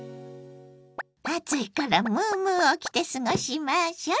暑いからムームーを着て過ごしましょ！